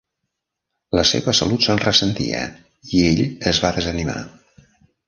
La seva salut se'n ressentia i ell es va desanimar.